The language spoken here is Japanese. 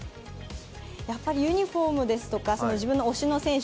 やっぱりユニフォームですとか自分の推しの選手